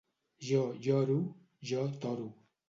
Jo lloro, jo toro.